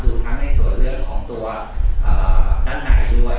ทั้งในส่วนเรื่องของตัวด้านในด้วย